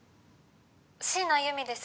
「椎名弓美です。